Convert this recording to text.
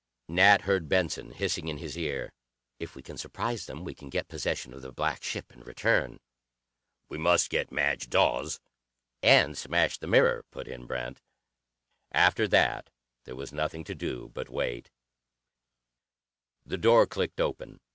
Nat heard Benson hissing in his ear, "If we can surprise them, we can get possession of the black ship and return." "We must get Madge Dawes." "And smash the mirror," put in Brent. After that there was nothing to do but wait. The door clicked open.